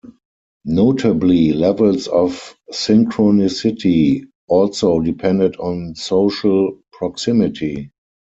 Notably, levels of synchronicity also depended on social proximity.